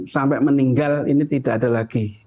sampai meninggal ini tidak ada lagi